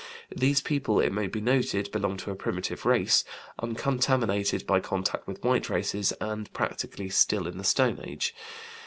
These people, it may be noted, belong to a primitive race, uncontaminated by contact with white races, and practically still in the Stone Age.